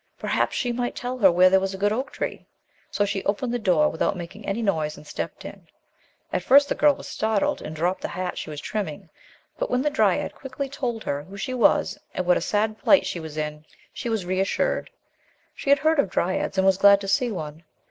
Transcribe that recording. Perhaps she might tell her where there was a good oak tree ; so she opened the door, without making any noise, and stepped in. At first the girl was startled and dropped the hat she was trimming, but when the dryad quickly told her who '5 THE LOST DRYAD she was and what a sad plight she was in, she was reassured. She had heard of dryads and was glad to see one.